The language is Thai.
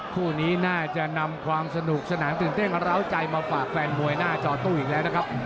คู่นี้น่าจะนำความสนุกสนานตื่นเต้นร้าวใจมาฝากแฟนมวยหน้าจอตู้อีกแล้วนะครับ